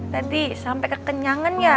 tadi sampai kekenyangan ya